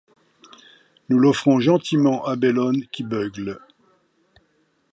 Nous l’offrons gentiment à Bellone qui beugle